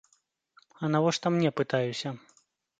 А навошта мне, пытаюся.